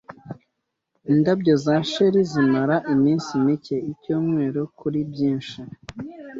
Indabyo za Cherry zimara iminsi mike, icyumweru kuri byinshi.